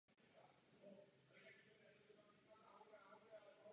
V tomto úřadu setrval až do smrti.